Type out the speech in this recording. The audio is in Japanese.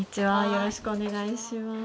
よろしくお願いします。